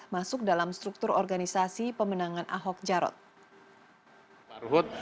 masuk dalam struktur organisasi pemenangan ahok jarot